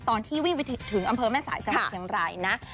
ตอนที่วิ่งไปถึงอำเภอแม่สายจังหวัดเชียงรายนะ